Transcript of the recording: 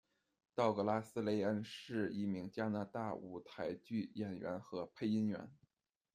道格拉斯·雷恩是一名加拿大舞台剧演员和配音员。